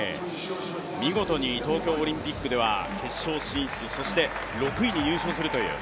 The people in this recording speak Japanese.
見事に東京オリンピックでは決勝進出、そして、６位に入賞するという。